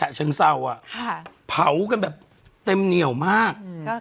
แค่ฉะเชิงเศร้าอ่ะค่ะเผากันแบบเต็มเหนี่ยวมาก